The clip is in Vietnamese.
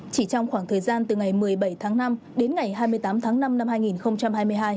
chỉ trong khoảng thời gian từ ngày một mươi bảy tháng năm đến ngày hai mươi tám tháng năm năm hai nghìn hai mươi hai